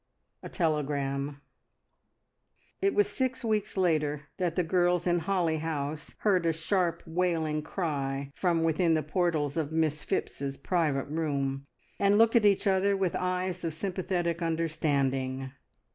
A TELEGRAM. It was six weeks later that the girls in Holly House heard a sharp, wailing cry from within the portals of Miss Phipps's private room, and looked at each other with eyes of sympathetic understanding.